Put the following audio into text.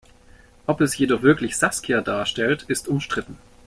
Ob es jedoch wirklich Saskia darstellt, ist umstritten.